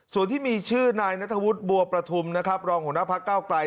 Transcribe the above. ส่วนที่มีชื่อนายณฑวุฒิบัวประธุมรองหัวหน้าภักร์เก้าไกร